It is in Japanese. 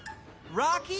ロッキー？